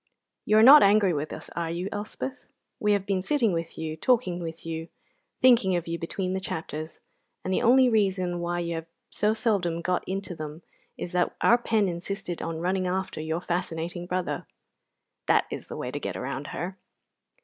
You are not angry with us, are you, Elspeth? We have been sitting with you, talking with you, thinking of you between the chapters, and the only reason why you have so seldom got into them is that our pen insisted on running after your fascinating brother. (That is the way to get round her.)